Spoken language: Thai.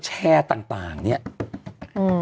แชร์ต่างต่างเนี้ยอืม